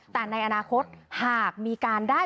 แต่ในอนาคตหากมีการได้